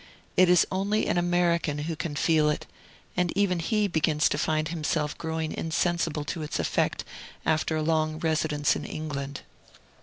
It is only an American who can feel it; and even he begins to find himself growing insensible to its effect, after a long residence in England.